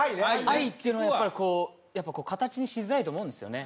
愛っていうのはやっぱりこう形にしづらいと思うんですよね